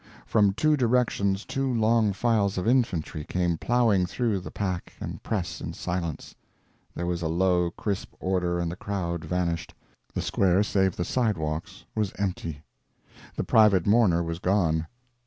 From two directions two long files of infantry came plowing through the pack and press in silence; there was a low, crisp order and the crowd vanished, the square save the sidewalks was empty, the private mourner was gone.